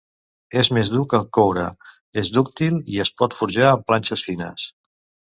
És més dur que el coure, és dúctil i es pot forjar en planxes fines.